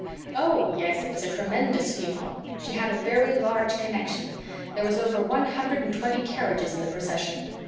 Oh, yes, it was a tremendous funeral. She had a very large connection. There was over one hundred and twenty carriages in the procession.